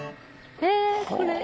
へえこれ。